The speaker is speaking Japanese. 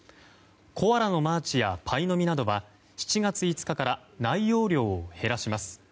コアラのマーチやパイの実などは７月５日から内容量を減らします。